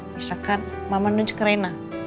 misalkan mama nunjuk ke reina